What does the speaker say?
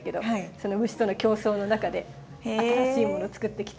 その虫との競争の中で新しいものつくってきて。